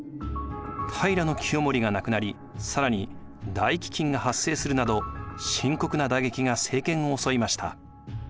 平清盛が亡くなり更に大飢饉が発生するなど深刻な打撃が政権を襲いました。